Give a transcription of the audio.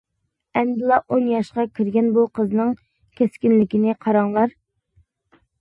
ئەمدىلا ئون ياشقا كىرگەن بۇ قىزنىڭ كەسكىنلىكىنى قاراڭلار.